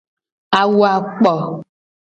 Awu a kpo.